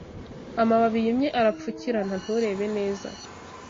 Amababi yumye arapfukirana nturebe neza